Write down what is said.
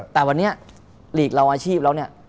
แต่วันนี้หลีกเราอาชีพแล้วเนี่ย